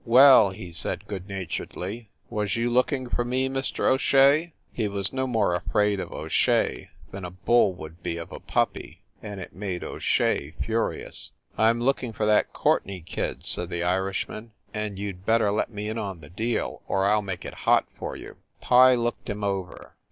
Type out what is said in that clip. "Well," he said good naturedly, "was you look ing for me, Mr. O Shea?" He was no more afraid of O Shea than a bull would be of a puppy, and it made O Shea furious. "I m looking for that Courtenay kid," said the Irishman, "and you d better let me in on the deal, or I ll make it hot for you !" Pye looked him over.